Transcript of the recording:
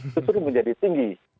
justru menjadi tinggi